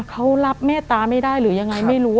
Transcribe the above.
เขารับเมตตาไม่ได้หรือยังไงไม่รู้